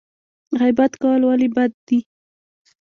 غیبت کول ولې بد دي؟